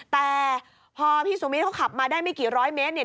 แต่พอพี่สุมิทเขาขับมาได้ไม่กี่ร้อยเมตรเนี่ย